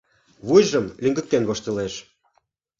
Вуйжым лӱҥгыктен воштылеш.